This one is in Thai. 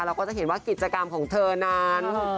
เราก็จะเห็นว่ากิจกรรมของเธอนั้น